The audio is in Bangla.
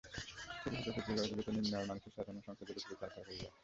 ছোট ছোট খুপরিঘরগুলোতে নিম্ন আয়ের মানুষের সাজানো সংসার জ্বলেপুড়ে ছারখার হয়ে যায়।